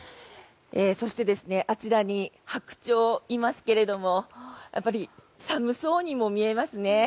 そして、あちらにハクチョウがいますけれどもやっぱり寒そうにも見えますね。